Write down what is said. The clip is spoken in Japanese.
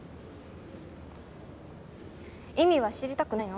意味は知りたくないの？